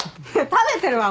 食べてるわ！